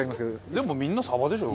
でもみんなサバでしょ？